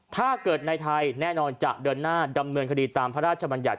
ถ้าเกิดในไทยแน่นอนจะเดินหน้าดำเนินคดีตามพระราชบัญญัติ